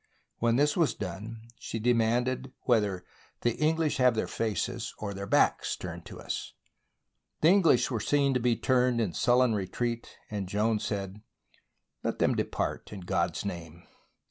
When this was done, she de manded whether " the English have their faces or their backs turned to us? " The English were seen to be turned in sullen retreat, and Joan said: " Let them depart, in God's name."